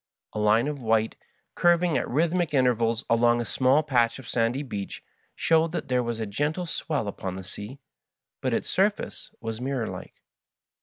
A line of white, curving at rhythmic intervals along a small patch of sandy beach, showed that there was a gentle swell upon the sea, but its surface was mirror like.